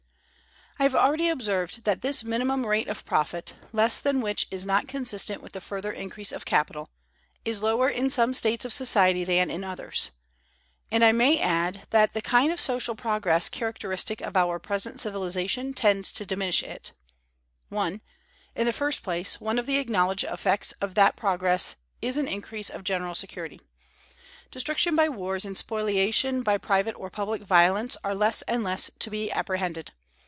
I have already observed that this minimum rate of profit, less than which is not consistent with the further increase of capital, is lower in some states of society than in others; and I may add that the kind of social progress characteristic of our present civilization tends to diminish it: (1.) In the first place, one of the acknowledged effects of that progress is an increase of general security. Destruction by wars and spoliation by private or public violence are less and less to be apprehended.